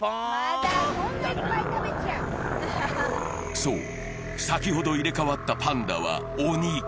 そう、先ほど入れ代わったパンダは鬼。